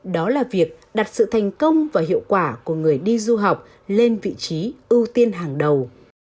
đó là việc đặt sự thành công và hiệu quả của người đi du học lên vị trí ưu tiên hàng đầu